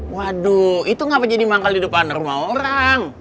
waduh itu ngapa jadi manggal di depan rumah orang